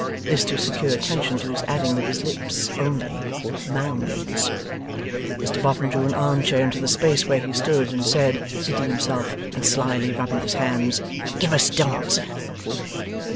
This, to secure attention to his adding with his lips only, 'Mounds!' Mr Boffin drew an arm chair into the space where he stood, and said, seating himself and slyly rubbing his hands: 'Give us Dancer.